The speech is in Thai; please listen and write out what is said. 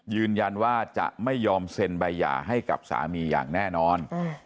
ยืนยันว่าจะไม่ยอมเซ็นใบหย่าให้กับสามีอย่างแน่นอน